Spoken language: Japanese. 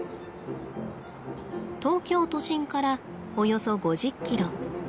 東京都心からおよそ５０キロ。